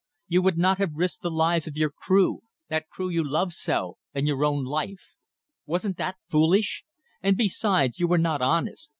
You would not have risked the lives of your crew that crew you loved so and your own life. Wasn't that foolish! And, besides, you were not honest.